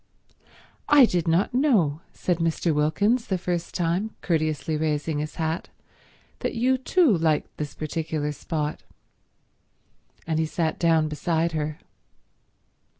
"I did not know," said Mr. Wilkins the first time, courteously raising his hat, "that you too liked this particular spot." And he sat down beside her.